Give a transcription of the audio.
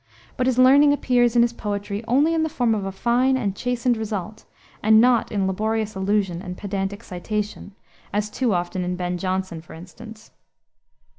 But his learning appears in his poetry only in the form of a fine and chastened result, and not in laborious allusion and pedantic citation, as too often in Ben Jonson, for instance.